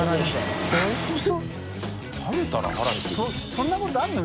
そんなことあるの？